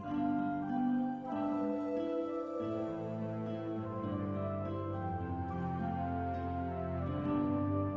jemput kau balik kau sama prens